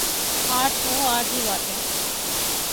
آٹھ منہ آٹھ ہی باتیں ۔